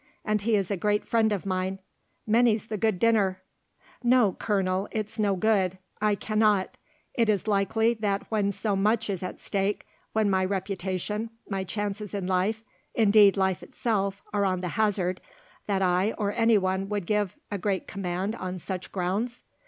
And he is a great friend of mine; many's the good dinner " "No, Colonel, it's no good; I cannot. Is it likely that when so much is at stake, when my reputation, my chances in life, indeed life itself, are on the hazard, that I or any one would give a great command on such grounds?